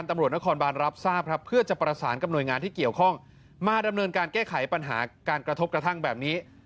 มาแก้ไขปัญหาการกระทบกระทั่งแบบนี้